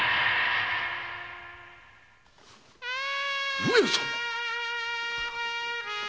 上様！？